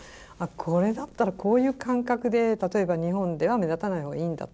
これだったらこういう感覚で例えば日本では目立たないほうがいいんだと。